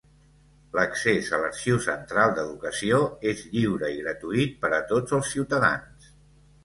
L'accés a l'Arxiu Central d'Educació és lliure i gratuït per a tots els ciutadans.